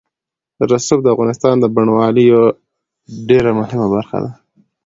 رسوب د افغانستان د بڼوالۍ یوه ډېره مهمه برخه ده.